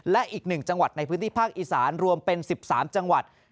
และอีก๑จังหวัดในพื้นที่ภาคอีสานรวมเป็น๑๓จังหวัด